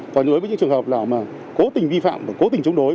và đối với những trường hợp là mà cố tình vi phạm và cố tình chống đối